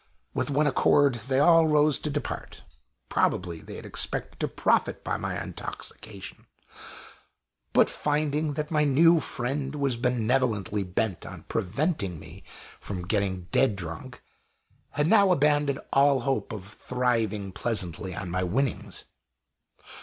With one accord they all rose to depart. Probably they had expected to profit by my intoxication; but finding that my new friend was benevolently bent on preventing me from getting dead drunk, had now abandoned all hope of thriving pleasantly on my winnings.